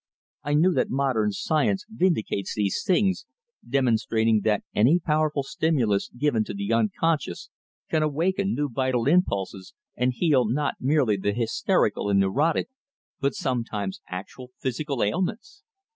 I know that modern science vindicates these things, demonstrating that any powerful stimulus given to the unconscious can awaken new vital impulses, and heal not merely the hysterical and neurotic, but sometimes actual physical ailments.